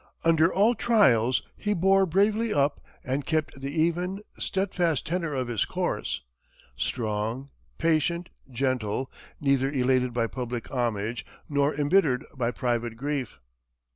Under all trials he bore bravely up, and kept the even, steadfast tenor of his course; strong, patient, gentle, neither elated by public homage nor embittered by private grief."